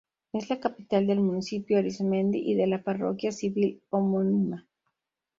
Es la capital del municipio Arismendi y de la parroquia civil homónima.